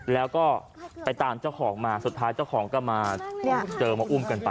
แล้วก็ไปตามเจ้าของมาสุดท้ายเจ้าของก็มาเจอมาอุ้มกันไป